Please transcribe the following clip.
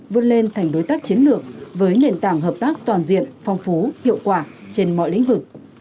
vươn lên thành đối tác chiến lược với nền tảng hợp tác toàn diện phong phú hiệu quả trên mọi lĩnh vực